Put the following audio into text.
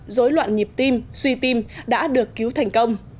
dối loạn nhịp tim suy tim đã được cứu thành công